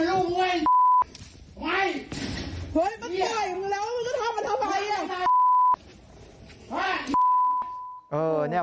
ขอบคุณพระเจ้า